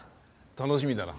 楽しみだな。